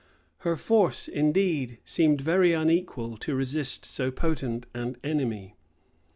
Her force, indeed, seemed very unequal to resist so potent an enemy.